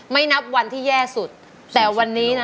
ไม่นับวันที่แย่แต่วันนี้นะ